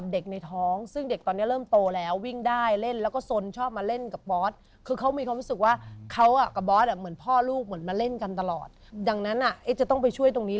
ดังนั้นอะเอ๊ะจะต้องไปช่วยตรงนี้